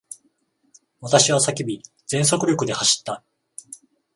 私は叫び、全速力で走った。